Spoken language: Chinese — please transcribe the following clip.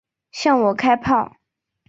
向我开炮！